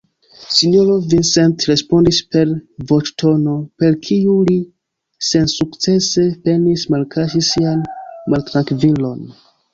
Sinjoro Vincent respondis per voĉtono, per kiu li sensukcese penis malkaŝi sian maltrankvilon: